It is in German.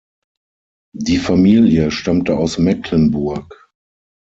Die Familie stammte aus Mecklenburg.